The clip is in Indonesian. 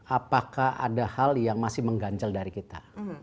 apakah ada hal yang masih menggancel dari kita